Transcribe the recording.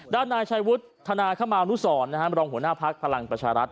นายชายวุฒิธนาคมาอนุสรมรองหัวหน้าภักดิ์พลังประชารัฐ